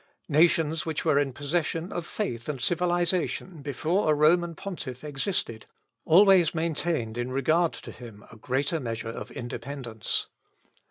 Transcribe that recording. Nations which were in possession of faith and civilisation before a Roman pontiff existed, always maintained in regard to him, a greater measure of independence.